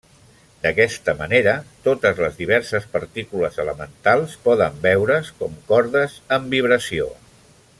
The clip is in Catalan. D'aquesta manera, totes les diverses partícules elementals poden veure's com cordes en vibració.